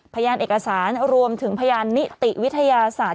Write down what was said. พยานเอกสารรวมถึงพยานนิติวิทยาศาสตร์